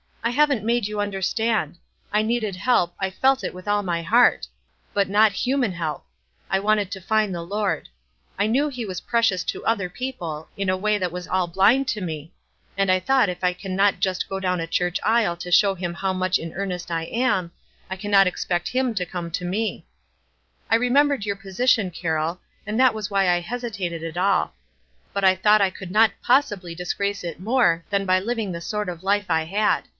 "I haven't made 3*011 understand. I needed help, I felt it with all my heart ; but not human help. I wanted to find the Lord. I knew he was precious to other people, in a way that was all blind to me ; aud I thought if I can not just go down a church aisle to show him how much in earnest I am, I can not expect him to come WISE AND OTHERWISE. 345 to me. I remembered your position, Carroll, and that was why I hesitated at all ; but I thought I could not possibly disgrace it more than by living the sort of life I had.